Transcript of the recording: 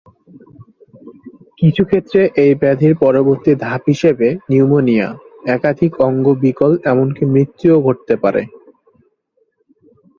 কিছুক্ষেত্রে এই ব্যাধির পরবর্তী ধাপ হিসেবে নিউমোনিয়া, একাধিক অঙ্গ বিকল এমনকি মৃত্যুও ঘটতে পারে।